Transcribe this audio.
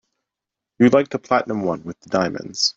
You liked the platinum one with the diamonds.